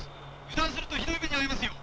油断するとひどい目に遭いますよ」。